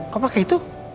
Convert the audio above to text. kok pake itu